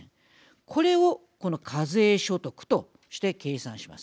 これをこの課税所得として計算します。